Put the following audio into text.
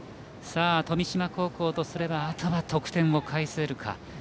富島高校とすればあとは得点を返せるか。